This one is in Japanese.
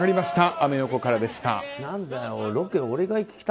アメ横からでした。